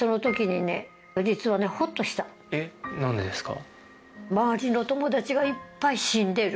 えっなんでですか？